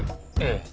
ええ。